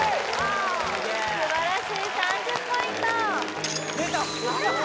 素晴らしい３０ポイント出た！